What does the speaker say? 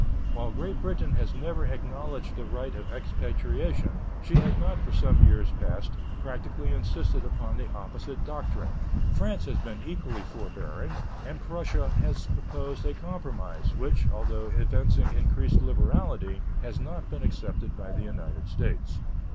While Great Britain has never acknowledged the right of expatriation, she has not for some years past practically insisted upon the opposite doctrine. France has been equally forbearing, and Prussia has proposed a compromise, which, although evincing increased liberality, has not been accepted by the United States.